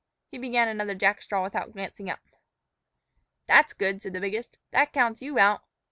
He began another jackstraw without glancing up. "That's good," said the biggest; "that counts you out."